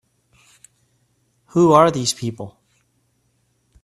Who are these people?